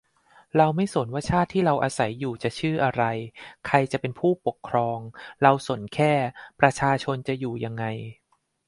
เราไม่สนว่าชาติที่เราอาศัยอยู่จะชื่ออะไรใครจะเป็นผู้ปกครอง เราสนแค่ประชาชนจะอยู่ยังไง